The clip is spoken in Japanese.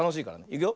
いくよ。